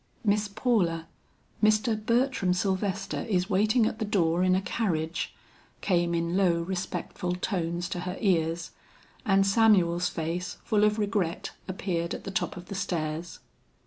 "Miss Paula, Mr. Bertram Sylvester is waiting at the door in a carriage," came in low respectful tones to her ears, and Samuel's face full of regret appeared at the top of the stairs.